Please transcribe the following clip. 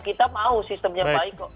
kita mau sistemnya baik kok